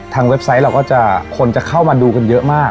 เว็บไซต์เราก็จะคนจะเข้ามาดูกันเยอะมาก